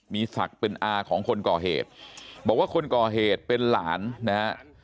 มีศักดิ์เป็นอาของคนก่อเหตุบอกว่าคนก่อเหตุเป็นหลานนะฮะ